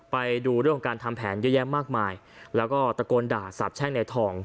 ไปดูเรื่องของการทำแผนเยอะแยะมากมายแล้วก็ตะโกนด่าสาบแช่งในทอง